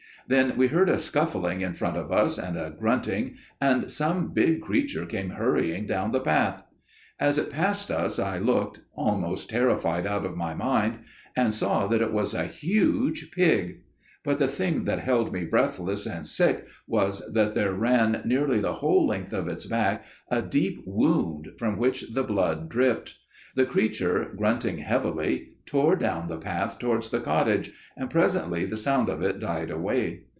"Then we heard a scuffling in front of us and a grunting, and some big creature came hurrying down the path. As it passed us I looked, almost terrified out of my mind, and saw that it was a huge pig; but the thing that held me breathless and sick was that there ran nearly the whole length of its back a deep wound, from which the blood dripped. The creature, grunting heavily, tore down the path towards the cottage, and presently the sound of it died away.